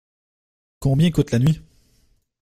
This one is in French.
Combien coûte la nuit ?